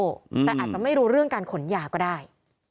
แต่อาจจะไม่รู้เรื่องการขนยาก็ได้